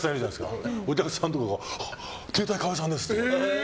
お客さんとかが携帯、川合さんですって。